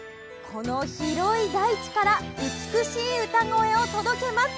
この広い大地から美しい歌声を届けます。